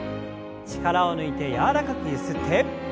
力を抜いて柔らかくゆすって。